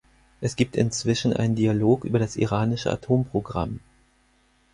Es gibt inzwischen einen Dialog über das iranische Atomprogramm.